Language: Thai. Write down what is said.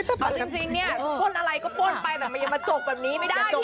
เออจริงเนี่ยคนอะไรก็ปนไปแต่มันยังมาจกแบบนี้ไม่ได้พี่เอบอก